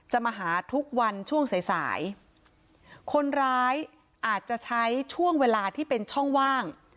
มาหาทุกวันช่วงสายสายคนร้ายอาจจะใช้ช่วงเวลาที่เป็นช่องว่าง